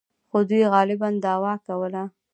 خو دوی غالباً دعوا کوله.